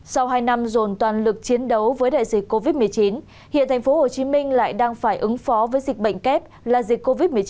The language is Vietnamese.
sau hai năm dồn toàn lực chiến đấu với đại dịch covid một mươi chín hiện tp hcm lại đang phải ứng phó với dịch bệnh kép là dịch covid một mươi chín